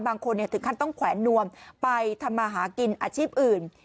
บางคนถึงขั้นต้องแขวนนวมไปทำมาหากินอาชีพอื่น